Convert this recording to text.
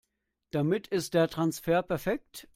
Damit ist der Transfer perfekt.